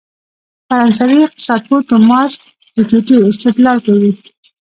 فرانسوي اقتصادپوه توماس پيکيټي استدلال کوي.